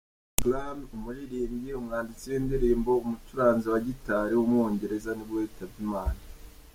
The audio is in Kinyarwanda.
Billy Grammer, umuririmbyi, umwanditsi w’indirimbo, umucuranzi wa guitar w’umwongereza nibwo yitabye Imana.